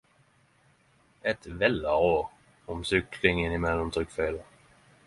Eit vell av råd om sykling innimellom trykkfeila.